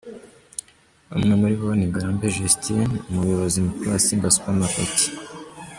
Umwe muri bo ni Ngarambe Justine, Umuyobozi Mukuru wa Simba Supermarket.